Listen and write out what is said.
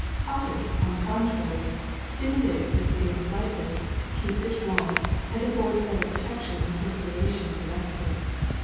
Cotton, on the contrary, stimulates the skin slightly, keeps it warm, and affords better protection when perspiration is ar rested.